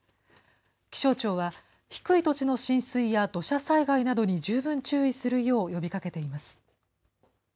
気象庁は、低い土地の浸水や土砂災害などに十分注意するよう呼びかけています。